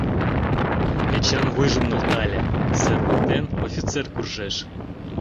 Эчан вуйжым нӧлтале: сер воктен офицер куржеш.